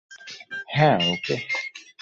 হ্যাঁ - ওকে।